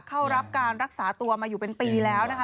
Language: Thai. เข้ารับการรักษาตัวมาอยู่เป็นปีแล้วนะคะ